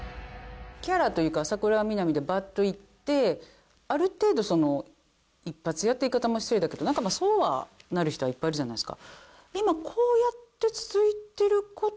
キャラというか浅倉南でバッといってある程度その一発屋って言い方も失礼だけどなんかまあそうはなる人はいっぱいいるじゃないですか。